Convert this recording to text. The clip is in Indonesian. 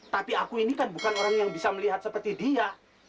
tapi aku ini kan bukan orang yang bisa melihat seperti dia